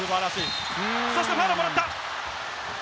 そしてファウルをもらった。